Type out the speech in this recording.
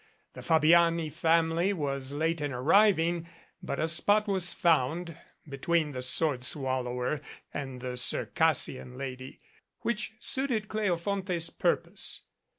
The Fabiani family was late in ar riving, but a spot was found, between the sword swallower and the Circassian lady, which suited Cleofonte's purpose.